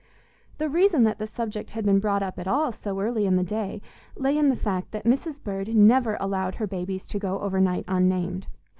The reason that the subject had been brought up at all so early in the day lay in the fact that Mrs. Bird never allowed her babies to go over night unnamed.